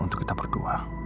untuk kita berdua